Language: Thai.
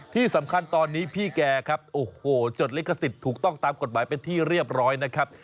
ที่สำคัญตอนนี้พี่แกครับโอ้โหจดลิขสิทธิ์ถูกต้องตามกฎหมายเป็นที่เรียบร้อยนะครับ